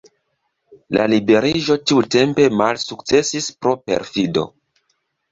La liberiĝo tiutempe malsukcesis pro perfido.